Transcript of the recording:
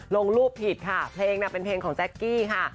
ลงรูปผิดค่ะเพลงน่ะเป็นเพลงของแจ๊กกี้ค่ะ